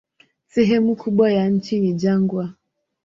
Sehemu kubwa ya nchi ni jangwa.